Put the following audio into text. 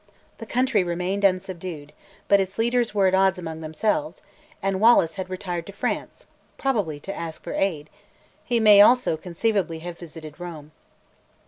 The country remained unsubdued, but its leaders were at odds among themselves, and Wallace had retired to France, probably to ask for aid; he may also conceivably have visited Rome.